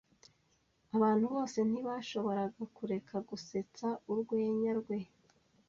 Abantu bose ntibashoboraga kureka gusetsa urwenya rwe.